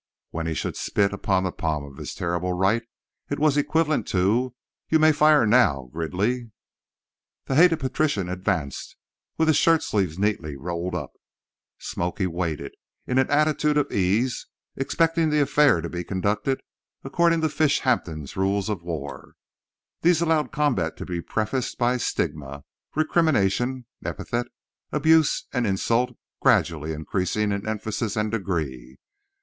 When he should spit upon the palm of his terrible right it was equivalent to "You may fire now, Gridley." The hated patrician advanced, with his shirt sleeves neatly rolled up. "Smoky" waited, in an attitude of ease, expecting the affair to be conducted according to Fishampton's rules of war. These allowed combat to be prefaced by stigma, recrimination, epithet, abuse and insult gradually increasing in emphasis and degree.